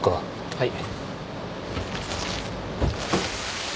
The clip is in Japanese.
はい。